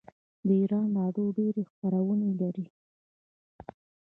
د ایران راډیو ډیرې خپرونې لري.